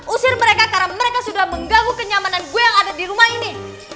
usir mereka karena mereka sudah mengganggu kenyamanan gue yang ada di rumah ini